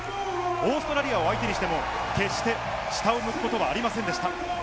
オーストラリアを相手にしても決して下を向くことはありませんでした。